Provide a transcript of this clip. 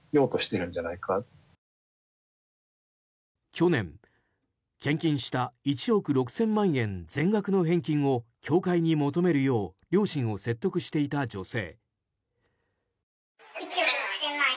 去年、献金した１億６０００万円全額の返金を教会に求めるよう両親を説得していた女性。